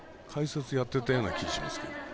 解説やってたような気がしますけど。